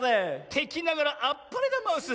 てきながらあっぱれだマウス。